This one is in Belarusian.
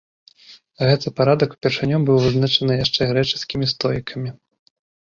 Гэты парадак упершыню быў вызначаны яшчэ грэчаскімі стоікамі.